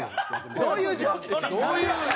どういう状況なん？